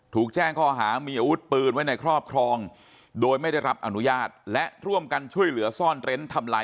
ถูกแจ้งข้อหามีอาวุธปืนไว้ในครอบครองโดยไม่ได้รับอนุญาตและร่วมกันช่วยเหลือซ่อนเร้นทำลาย